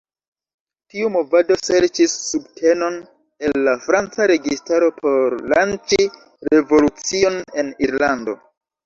Tiu movado serĉis subtenon el la Franca registaro por lanĉi revolucion en Irlando.